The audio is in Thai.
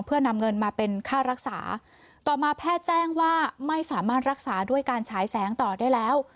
เพื่อนำเงินมาเป็นค่ารักษาต่อมาแพทย์แจ้งว่าไม่สามารถรักษาด้วยการฉายแสงต่อได้แล้ว